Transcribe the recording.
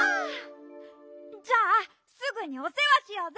じゃあすぐにおせわしようぜ！